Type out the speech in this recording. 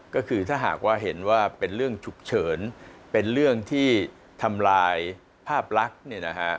ก็คือถ้าหากว่าเห็นว่าเป็นเรื่องฉุกเฉินเป็นเรื่องที่ทำลายภาพลักษณ์เนี่ยนะฮะ